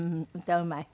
歌うまい？